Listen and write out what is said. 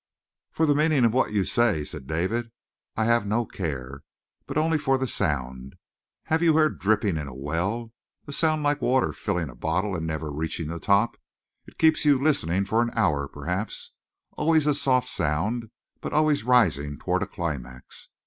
"For the meaning of what you say," said David, "I have no care, but only for the sound. Have you heard dripping in a well, a sound like water filling a bottle and never reaching the top? It keeps you listening for an hour, perhaps, always a soft sound, but always rising toward a climax?